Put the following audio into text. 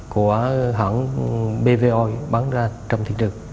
của hãng bvoi bán ra trong thị trường